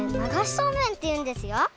そうめんっていうんですよ！